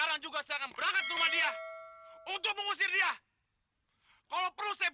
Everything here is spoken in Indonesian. jangan lebih naib lho